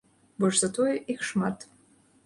Больш за тое, іх шмат.